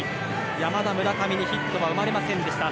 山田、村上にヒットは生まれませんでした。